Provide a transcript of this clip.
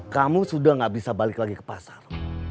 kamu sudah gak bisa balik lagi ke pasar